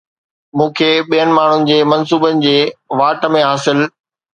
مون کي ٻين ماڻهن جي منصوبن جي واٽ ۾ حاصل